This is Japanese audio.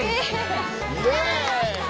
イエイ！